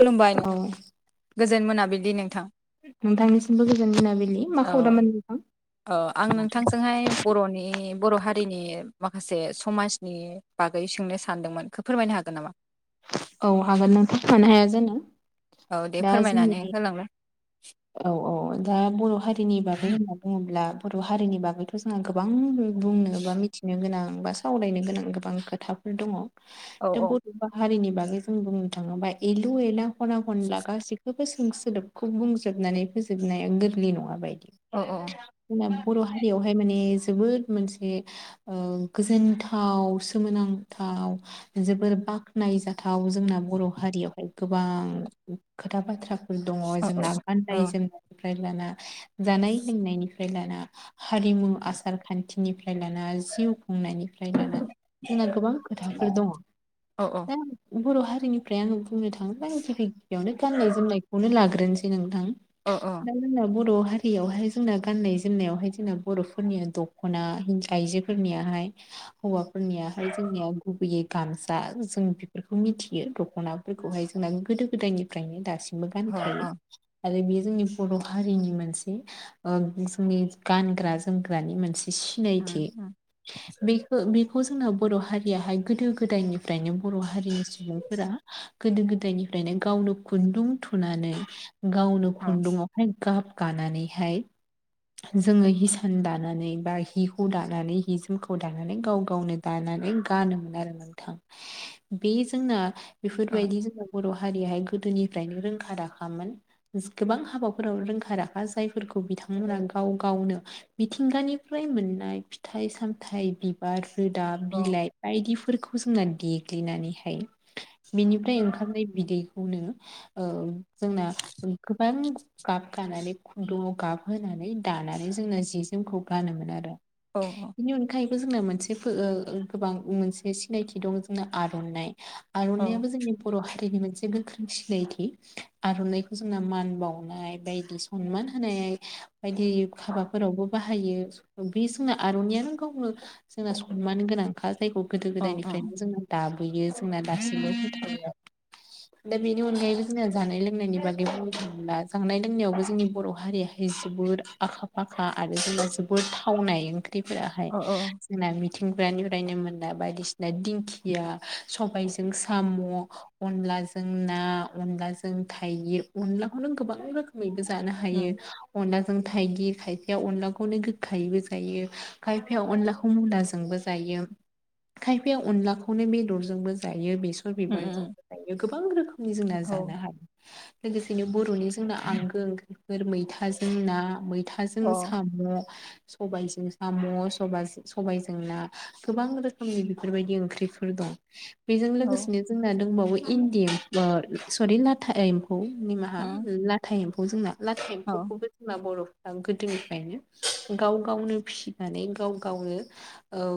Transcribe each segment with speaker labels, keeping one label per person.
Speaker 1: खुलुमबाय नों
Speaker 2: औ
Speaker 1: गोजोन मोनाबिलि नोंथां
Speaker 2: नोंथांनिसिमबो गोजोन मोनाबिलि मा
Speaker 1: औ
Speaker 2: खौरांमोन नोंथां
Speaker 1: औ आं नोंथांजोंहाय बर'नि बर' हारि हारिनि माखासे समाजनि बागै सोंनो सानदोंमोनखौ फोरमायनो हागोन नामा?
Speaker 2: औ हागोन नोंथां मानो हाया जानो।
Speaker 1: औ दे
Speaker 2: दा
Speaker 1: फोरमायनानै
Speaker 2: जोंनि
Speaker 1: होलांलाय।
Speaker 2: औ औ दा बर' हारि हारिनि बागै होनना बुङोब्ला बर' हारिनि बागैथ' जोंहा गोबां बुंनो बा मिथिनो गोनां सावरायनो गोनां गोबां खोथाफोर
Speaker 1: औ
Speaker 2: दङ बर' हारिनि बागै जों बुंनो थाङोबा एलु एला खना खनला गाससिखौबो सों सोदोबखौ बुंजो जोबनानै फोजोबनाया गोरलै नङा बायदि
Speaker 1: औ
Speaker 2: जोंना बर' हारियावहाय माने जोबोद मोनसे ओ गोजोनथाव सोमोनांथाव जोबोर बाखनायजाथा थाव जोंना बर' हारियावहाय गोबां खोथा बाथ्राफोर दङ
Speaker 1: औ
Speaker 2: जोंना
Speaker 1: औ
Speaker 2: गाननाय जोमनाय निफ्राय लाना जानाय लोंनायनिफ्राय लाना हारिमु आसार खान्थिनिफ्राय लाना जिउ खुंनायनि लाना जोंना गोबां खोथाफोर दङ
Speaker 1: औ औ
Speaker 2: दा बर' हारिनिफ्राय आङो बुंनो थाङोबा गिबि गिबियावनो गाननाय जोमनायखौनो लाग्रोनोसै नोंथां '
Speaker 1: अ
Speaker 2: [inaudible] हारियावहाय जोंना गाननाय जोमनायावहाय जोंना बर'फोरनिया दख'ना हिन आइजोफोरनियाहाय हौवाफोरनियाहाय जोंनियाव गुबैयै गामसा जों बेफोरखौ मिथियो दख'नाफोरखौ माय [unintelligible] जोंना गोदो गोदायनिफ्रायनो दासिमबो
Speaker 1: अ
Speaker 2: गानखायो। आरो बेयो जोंनि बर' हारिनि मोनसे ओ जोंनि गानग्रा जोमग्रानि मोनसे
Speaker 1: अ उम
Speaker 2: सिनायथि
Speaker 1: उम
Speaker 2: बेखौ बे बेखौ जोंनो बर' हारियाहाय गोदो गोदायनिफ्रायनो बर' हारिनि सुबुंफोरा गोदो गोदायनिफ्रायनो गावनो खुन्दुं थुनानै गावनो
Speaker 1: अ
Speaker 2: खुन्दुंआवहाय गाब गानानैहाय जोङो हिसान दानानै बा हि हु दानानै हि जोमखौ दानानै गाव गावनो दानानै नानै गानोमोन आरो नोंथां बे जोंना
Speaker 1: अ
Speaker 2: बेफोरबायदि जोंना बर' हारियाहाय गोदोनिफ्रायनो रोंखा राखामोन। जो गोबां हाबाफोराव रोंखा राखा जायफोरखौ बिथांमोना गाव-गावनो मिथिंगानि फ्राय मोननाय फिथाइ-सामथाइ बिबार रोदा
Speaker 1: औ
Speaker 2: बिलाइ बायदिफो फोरखौ जोंना देग्लिनानैहाय बेनिफ्राय ओंखारनाय बिदैखौनो ओ जोंना गोबां गाब गानानै खुन्दुंआव गाबहोनानै दानानै जोङो जि जोमखौ गानोमोन आरो।
Speaker 1: औ
Speaker 2: बिनि अनगायै बो जोंना मोनसे बो ओ ओ गोबां मोनसे सिनायथि दं जोंना आर'नाइ।
Speaker 1: अ
Speaker 2: आर'नाइआबो जोंनि बर' हारिनि मोनसे गोख्रों सिनायथि आर'नाइ खौ जोंना मान बावनाय बायदि सनमान होनाय बायदि हाबाफोरावबो बाहायो। बे जोंना आर'नाइआनो गावनो जोंना सनमान गोनांखा जायखौ गोदो
Speaker 1: अ
Speaker 2: गोदायनिफ्रायनो जोंङो दाबो नुयो जोंना दासिमबो फोथायो दा बेनि अनगायैबो जोंङो जानाय लोंनायनि बा गै जानाय लोंनायावबो जोंनि बर' हारियाहाय जोबोद आखा फाखा आरो जोंङो जोबो थावनाय ओंख्रिफोराहाय जोंना मि थिंग्रानिफ्रायनो मोना बायदिसिना दिंखिया सबायजों साम' अनला लाजों ना अनलाजों थाइगिर। अनलाखौ नों गोबां रोखोमैबो जानो हायो अनला जों थाइगिर खायफाया अनलाखौनो गोखायैबो जायो खायफाया अनलाखौ मुलाजोंबो जाय यो खायफाया अनलाखौनो बेदरजोंबो जायो बे सर बिबारजोंबो जायो गोबां रोखोमनि जोंना जानो हायो। लोगोसेनो बर'नि जोंना आंगो ओंख्रिफोर मैथाजों ना मै थाजों साम' सबायजों साम' सबास सबायजों ना गोबां रोखोमनि बेफोरबायदि ओंख्रिफोर दं। बेजों लोगोसेनो जोंना दंबावो इन्दि इमबर सरि लाथा एम म्फौ निमाहा लाथा एम्फौ जोंना लाथा एम्फौखौबो जोंना बर' फोरा गोदोनिफ्रायनो गाव-गावनो फिसिनानै गाव-गावनो औ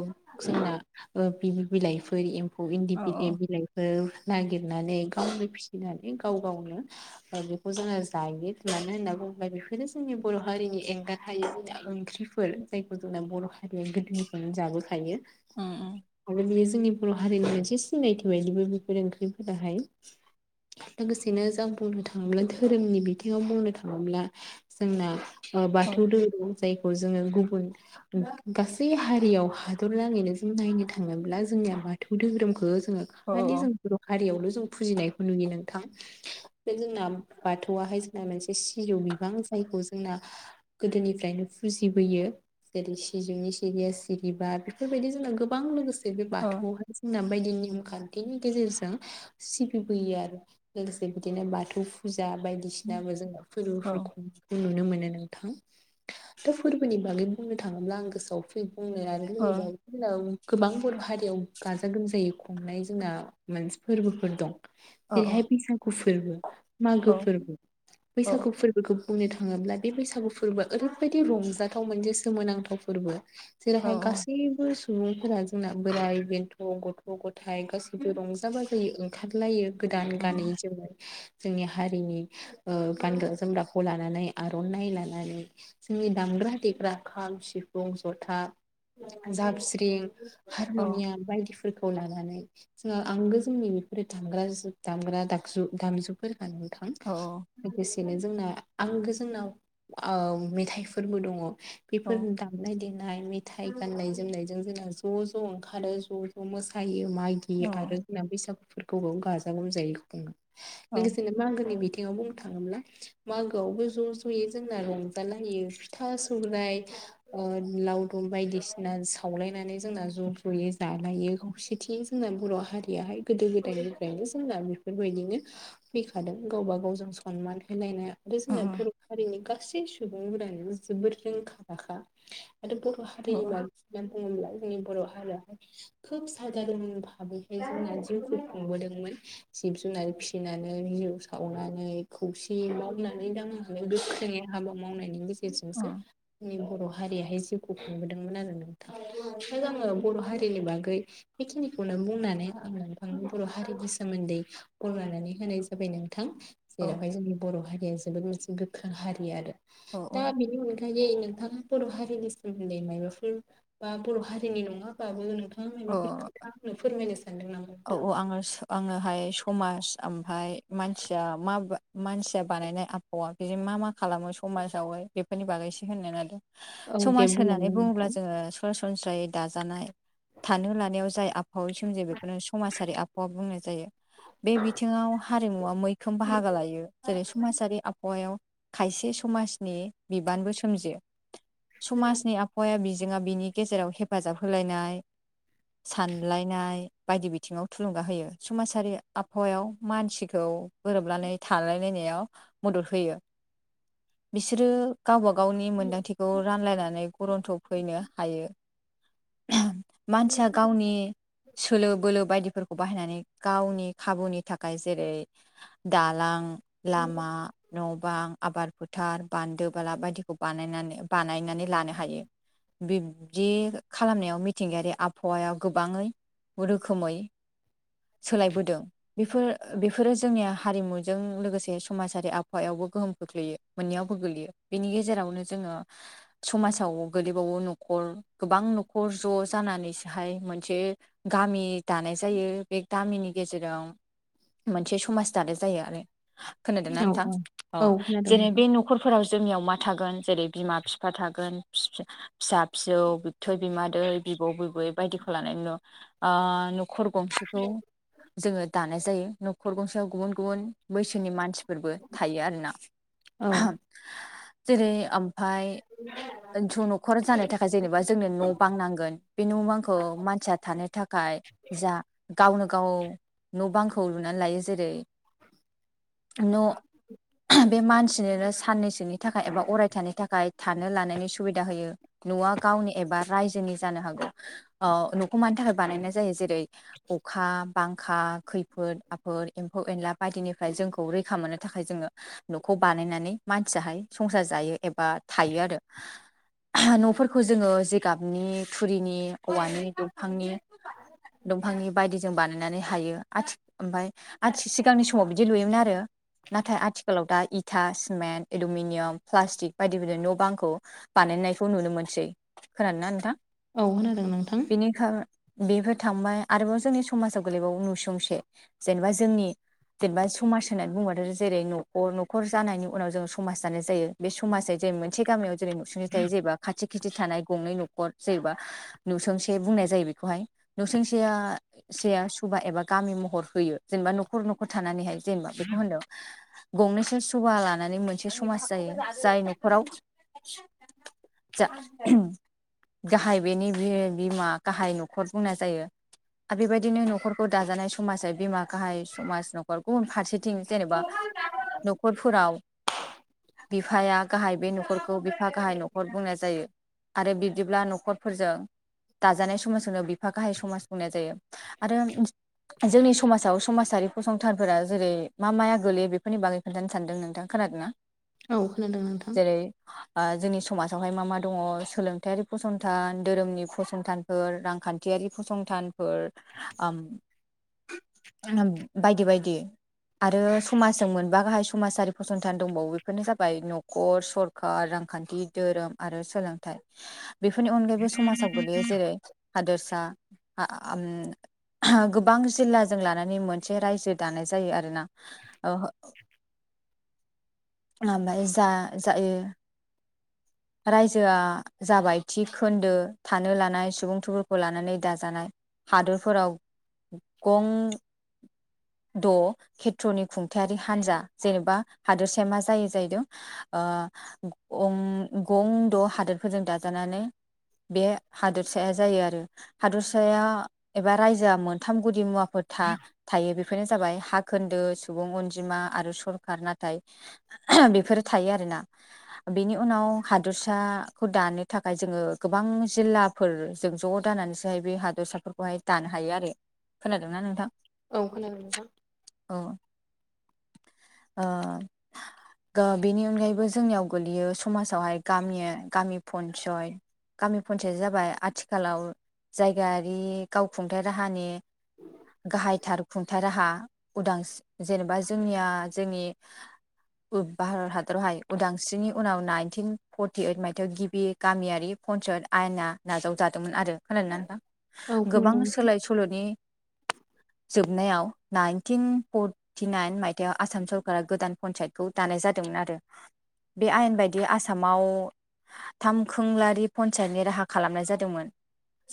Speaker 2: जों ना ओ बिनि बिलाइफोर एम म्फौ इन्दि
Speaker 1: अ
Speaker 2: बिलाइ बिलाइफोर नागिरनानै गावनो फिसिनानै गाव-गावनो ओ बेखौ जोङो जायो मानो होनना बुङोबा बेफोरनो जोंनि बर' हारिनि एंगार हायो जोंना ओंख्रिफोर जायखौ जोंना बर' हारिया गोदोनिफ्रायनो जाबोखायो।
Speaker 1: उम-उम।
Speaker 2: आरो बेयो जोंनि बर' हारिनि मोनसे सिनायथि बायदिबो बेफोर ओंख्रिफोराहाय। लोगोसेनो जों बुंनो थाङोब्ला धोरोमनि बिथिङाव बुंनो थाङोब्ला जोंना ओ बाथौ
Speaker 1: उम
Speaker 2: धोरोम। जायखौ जोङो गुबुन गा-गासै हारियाव हादरनाङैनो जों नायनो थाङोब्ला जों निया बाथौ धोरोमखो जोंङो
Speaker 1: औ अ औ उम औ उम औ
Speaker 2: खालि जों बर' हारियावल' जों फुजिनायखौ नुयो नोंथां। जोंना बाथौआहाय जोंना मोनसे सिजौ बिफां जायखौ जोंना गोदोनिफ्रायनो फु जिबोयो जेरै- सिजौनि सिरिया सिरिबा बेफोरबायदि जोंना गोबां लोगोसे बे
Speaker 1: औ
Speaker 2: बाथौआवहाय जोंना बायदि नेम खान्थिनि गेजेरजों सिबिबोयो आरो लोगोसे बिदिनो बाथौ फुज जा
Speaker 1: उम
Speaker 2: बायदिसिनाबो जोङो
Speaker 1: औ
Speaker 2: फोर्बोफोफ खुंनायखौ नुनो मो नो नोंथां थ' फोर्बोनि बागै बुंनो थाङोब्ला आं गोसोआव फै बुंनो आरो
Speaker 1: अ
Speaker 2: लुगैबावो [inaudible] गोबां बर' हारियाव गाजा गोमजायै खुंनाय जोंना मोनसे फोरबोफोर दं।
Speaker 1: अ
Speaker 2: जेरैहाय बैसागु फोर्बो मागो
Speaker 1: औ
Speaker 2: फोर्बो
Speaker 1: औ
Speaker 2: बैसागु फोरबोखौ बुंनो थाङोब्ला बे बैसागु फोर्बोआ ओरैबायदि रंजाथाव मोनसे सोमोनांथाव फोर्बो।
Speaker 1: औ
Speaker 2: जेरावहाय गासैबो सु सुबुंफोरा जोंना बोराइ बेन्थ' गथ' गथाइ गासैबो रंजा बाजायो ओंखारलायो। गोदान
Speaker 1: औ
Speaker 2: गानै जोमै जोंनि हारिनि ओ गानग्रा जोमग्राखौ लानानै आर'नाइ लानानै नि दामग्रा देग्रा खाम सिफुं जथा जाबस्रिं
Speaker 1: औ
Speaker 2: हारम'नियाम बायदिफोरखौ लानानै जोङा आंगो जोंनि बेफोरो दामग्रा दामग्रा जु दामजुफोर नोंथां
Speaker 1: औ
Speaker 2: लोगोसे जोंना आंगो जोंनाव ओ मेथाइफोरबो दङ।
Speaker 1: औ
Speaker 2: बेफोर दामनाय देनाय नाय मेथाइ गाननाय जोमनायजों जोंना ज' ज' ओंखारो ज' ज' मोसायो। मागि आरो होनना बैसागुफोरखौबो गाजा गोमजायै खुङो
Speaker 1: औ
Speaker 2: लोगोसेनो मागोनि बिथिं बेयाव बुंनो थाङोब्ला मागोआवबो ज' ज'यै जोंना रंजाालायो फिथा सौराय ओ लावदुम बायदिसिना सावलायनानै जोंना ज' ज'यै जालायो खौसेथि जोंना बर' हारियाहाय गोदो गोदायनिफ्रायनो जोंना बेफोरबायदिनो फैखादों गावबा गावजों सनमान होलायनाय आरो
Speaker 1: औ
Speaker 2: जोंना बर' हारिनि गास गाैसै सुबुंफोरानो जोबोर रोंखा राखा माथो बर' हारिनि बागै नि बर' हारिआहाय खोब सादारन भाबैहाय जोंना जिउखौ खुंबोदोंमोन। जिब जुनार फिसिनानै जौ सावनानै खौसे मावनानै दांनानै गोख्रोङै हाबा मावनायनि गेजेरजोंसो जोंनि बर' हारियाहाय जिउखौ खुंबोदोंमोन आरो नोंथां आङो। बर' हारिनि बागै बेखिनिखौनो बुंनानै आं नोंथांनो बर' हारिनि सोमोन्दै बर' नानै होनाय जाबाय नोंथां
Speaker 1: औ
Speaker 2: जेरावहाय जोंनि बर' हारिया जोबोद मोनसे गोख्रों हारि आरो
Speaker 1: औ
Speaker 2: दा
Speaker 1: औ
Speaker 2: बिनि अनगायै नोंथां बर' हारिनि सोमोन्दै मायबाफोर बा बर' हारिनि नङाबाबो नोंथां। मायबाफोर खोथा आंनो फोरमायनो सानदों नामा?
Speaker 1: औ
Speaker 2: नोंथां?
Speaker 1: औ स आङो आङोहाय समाज ओमफाय मानसिया मा मानसिया बानायनाय आबहावा बिजों मा मा खालामो समाजावहाय बेफोरनि बागैसो होनगोन आरो।
Speaker 2: औ दे
Speaker 1: समाज होननानै
Speaker 2: बुंलांदो
Speaker 1: बुङोब्ला
Speaker 2: नोंथां
Speaker 1: जोङो सरासन सनस्रायै दाजानाय थानो लानायाव जाय आबहावै सोमजि बे समाजारि आबहावा बुंनाय जायो बे बिथिङाव हारिमुवा मैखोम बाहागो लायो जेरै समाजारि आबहावायाव खायसे समाजनि बिबानबो सोमजियो समाजनि आबहावाया बि जोंहा बिनि गेजेराव हेफाजाब होलायनाय सानलायनाय बायदि बिथिङाव थुलुंगा होयो समाजारि आबहावायाव मानसिखौ गोरोबनानै थालायलायनाया याव मदद होयो बिसोरो गावबा गावनि मोन्दांथिखौ रानलायनानै गुरन्थ' फैनो हायो। मानसिया गावनि सोलो बोलो बायदिफोरखौ बाहायनानै गावनि खाबुनि थाखाय जेरै दालां लामा न' बां आबाद फोथार बान्दो बाला बायदिखौ बानायनानै बानाय नानै लानो हायो बिब्दि खालामनायाव मिथिंगायारि आबहावा गोबाङै रोखोमै सोलायबोदों बेफोर बेफोरो जोंनिया हारिमुजों लोगोसे समाजारि आबहायावबो गोहोम खोख्लैयो मोनैयावबो गोलैयो बेनि गेजेराव जोङो समाजाव गोग्लै ग न'खर गोबां न'खर ज' जानानैसोहाय मोनसे गामि दानाय जायो बे गामिनि गेजेराव मोनसे समाज दानाय जायो आरो खोनादोना नोंथां औ
Speaker 2: खोनादों
Speaker 1: जेरै
Speaker 2: नोंथां
Speaker 1: बे न'खरफोराव जोंनियाव मा थागोन जेरै बिमा बिफा थागोन फिसा फिसौ बि बिबथै बिमादैै बिबौ बिबै बायदिखौ लानानै ओ न खर गंसेखौ जोङो दानाय जायो न'खर गंसेयाव गुबुन गुबुन बैसोनि मानसिफोरबो थायो आरोना।
Speaker 2: औ
Speaker 1: जेरै ओमफाय ओनसौ न'खर जानो थाखाय जेनेबा जोंनो न' बांनांगोन बे न' बांखौ मानसिया थानो था खाय जा गावनो गाव न' बांखौ लुनानै लायो जेरै न' बे मानसिनोनो साननैसोनि थाखाय एबा अरायथानि थाखाय थानो लानाय नि सुबिदा होयो न'आ गावनि एबा रायजोनि जानो हागौ ओ न'खौ मानि था बानायनाय जायो जेरै अखा बांखा खैफोद आफोद एम्फौ एनला बायदिनिफ्राय जोंखौ रैखा मोननो था खाय जोङो न'खौ बानायनानै मानसियाहाय संसार जायो एबा थायो आरो न'फोरखौ जोङो जिगाबनि थुरिनि औवानि दफांनि-दंफांनि बायदिजों बानायनानै हायो आथि ओमफाय आथि सिगांनि समाव बिदि लुयोमोन आरो नाथाय आथिखालाव दा इ था सिमेन्ट एलुमिनियाम प्लास्टिक बायदि बायदि न' बांखौ बानायनायखौ नुनो मोनसै खोनादोना नोंथां
Speaker 2: औ होनादों नोंथां
Speaker 1: बेनिखा बेफोर थांबाय आरोबाव जोंनि समाजाव गोलैबावो नुसुंसे जेनेबा जोंनि जेनबा समाज होननानै बुंबाथो जेरै न'ख न'खर जानायनि उनाव जों समाज जानाय जायो बे समाजै मोनसे गामियाव जेरै नुसुंनि थायो जेबा खाथि खिथि थानाय गंनै न'खर जेबा नुसुंसे बुंनाय जायो बि खौहाय नु'सुंसेया सेया सुबा एबा गामि महर होयो जेनबा न'खर न'खर थानानैहाय जेनबा बेखौ होनदों गंनैसो सभा लानानै मोनसे समाज जायो जाय न'खराव जा गाहाय बेनि बे बिमा गाहाय न खर बुंनाय जायो आ बेबायदिनो न'खरखौ दाजानाय समाजै बिमा गाहाय समाज न'खर गुबुन फारसे थिं जेनेबा न'खरफोराव बिफाया गाहाय बे न'खरखौ बिफा गाहाय न'खर बुंनाय जायो आरो बिब्दिब्ला न'खरफोरजों दाजानाय समाज खोनो बिफा गाहाय समाज बुंनाय जायो आरो जोंनि समाजाव समाजारि फसंथानफोरा जेरै मा माया गोलैयो बेफोरनि बागै खोन्थानो सानदों नोंथां खोनादो ना
Speaker 2: औ खोनादों नोंथां
Speaker 1: ओ जोंनि समाजावहाय मा मा दङ सोलोंथायारि फसंथान दोरोमनि फसंथानफोर रां खान्थियारि फसंथानफोर ओम बायदि बायदि आरो समाजजों मोनबा गाहाय समाजारि फसंथान दंबावो बेफोरनो जाबाय न'खर सरखार रांखान्थि दोरोम आरो सोलोंथाइ बेफोरनि अनगायैबो समाजाव गोग्लैयो जेरै हादोरसा ओम गोबां जिल्लाजों लानानै मोनसे रायजो दानाय जायो आरोना ओ जायो रायजोआ जाबाय थि खोन्दो थानो लानाय सुबुं थुबुरखौ लानानै दाजानाय हादरफोराव गं द' खेथ्र'नि खुंथायारि हान्जा जेनेबा हादोरसाया मा जायो जाहैदों ओ गं-गं द' हादोरफोरजों दाजानानै बे हादोरसाया जायो आरो हादोरसाया एबा रायजोआ मोनथाम गुदि मुवाखौ फोथा थायो बेफोरनो जाबाय हा खोन्दो सुबुं अनजिमा आरो सरखार नाथाय बेफोरो थायो आरोना बेनि उनाव हादोरसाखौ दानो थाखाय जोङो गोबां जिल्लाफोर जों ज' दानानैसोहाय बे हाद बेसफोरखौहाय दानो हायो आरो खोनादोंना नोंथां
Speaker 2: औ खोनादों नोंथां।
Speaker 1: औ [unintelligible] बेनि अनगायैबो जोंनियाव गोलैयो समाजावहाय गामि गामि पन्साय गामि पन्सायत जाबाय आथिखालाव जायगायारि गावखुंथायाइ राहानि गाहायथार खुंथाया राहा उदां स जेनेबा जोंनिया जोंनि भारत हादरावहाय उदांस्रिनि उनाव नाइनटिन फर्टि इट मायथायाइाव गिबि गामियारि पन्सायत आयना नाजाव जादोंमोन आरो खोनादों ना नोंथां?
Speaker 2: औ
Speaker 1: गोबां
Speaker 2: खोनादों नोंथां
Speaker 1: सोलाय सोल'नि जोबनायाव नाइनटिन फरटिनााइन मायथाइयाव आसाम सरकारा गोदान पन्सायतखौ दानाय जायो। जादोंमोन आरो बे आयेन बायदि आस आसामाव थामखोंलारि पन्सायतनि राहा खालामनाय जादोंमोन।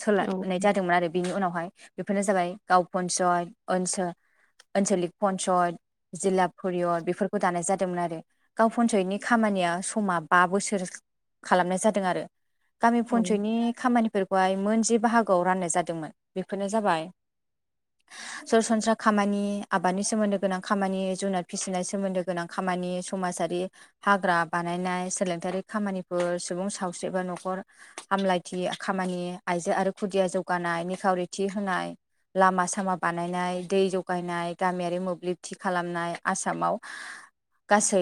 Speaker 1: सोलायनाय
Speaker 2: औ
Speaker 1: जादोंमोन आरो बेनि उनावहाय बेफोरनो जाबाय गाव पन्सत ओनसोल आनसलिक पन्सत जिल्ला परियद बेफोरखौ दानाय जादोंमोन आरो गाव पन्सायतनि खामानिया समा बा बोसोर खालामनाय जादों आरो गामि
Speaker 2: औ
Speaker 1: पन्सायतनि खामानिफोरखौ। बेहाय मोनजे बाहागोआव राननाय जादोंमोन बेफोरनो जाबाय। सरासनस्रा खामानि आबादनि सोमोन्दो गोनां खामानि जुनार फिसिनाय सोमोन्दो गोनां खामानि। मानि समाजारि हाग्रा बानायनाय सोलोंथायारि खामानिफोर सुबुं सावस्रि एबा न'खर हामलायथि खामानि आइजो आरो खुदिया या जौगानाय निखावरिथि होनाय। लामा सामा बानायनाय दै जगायनाय गामियारि मोब्लिबथि खालामनाय आसामाव गासै